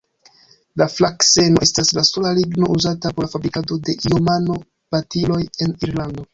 La frakseno estas la sola ligno uzata por la fabrikado de iomano-batiloj en Irlando.